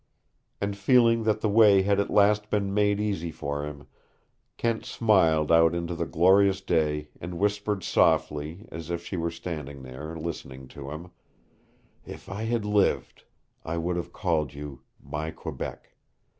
And feeling that the way had at last been made easy for him, Kent smiled out into the glorious day and whispered softly, as if she were standing there, listening to him: "If I had lived I would have called you my Quebec.